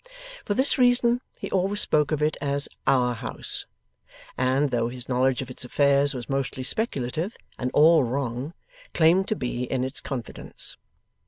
For this reason, he always spoke of it as 'Our House,' and, though his knowledge of its affairs was mostly speculative and all wrong, claimed to be in its confidence.